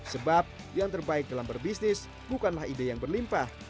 sebab yang terbaik dalam berbisnis bukanlah ide yang berlimpah